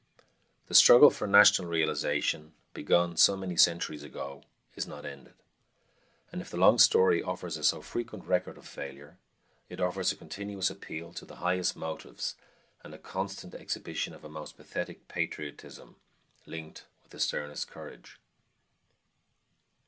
The struggle for national realization, begun so many centuries ago, is not ended; and if the long story offers a so frequent record of failure, it offers a continuous appeal to the highest motives and a constant exhibition of a most pathetic patriotism linked with the sternest courage.